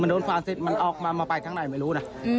โดนฟันเสร็จมันออกมาไปข้างในไม่รู้นะ